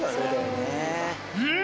うん！